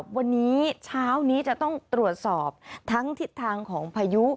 วันนี้เช้านี้จะต้องตรวจสอบทั้งทิศทางของพายุ